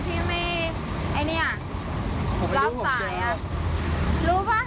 เทียบความ